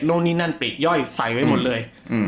นู่นนี่นั่นปลีกย่อยใส่ไว้หมดเลย